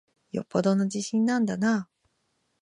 よっぽどの自信なんだなぁ。